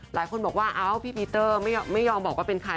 หลายคนบอกว่าเอ้าพี่ปีเตอร์ไม่ยอมบอกว่าเป็นใคร